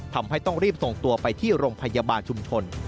ทำให้ต้องรีบส่งตัวไปที่โรงพยาบาลชุมชน